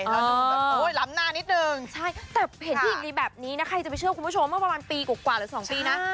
แบบโอ้ยหลำนานนิดนึงใช่แต่เห็นพี่หญิงแบบนี้นะใครจะไปเชื่อคุณผู้ชมว่าประมาณปีกว่ากว่าหรือ๒ปีนะ